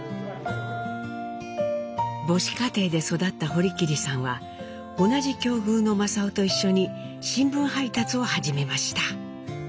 母子家庭で育った堀切さんは同じ境遇の正雄と一緒に新聞配達を始めました。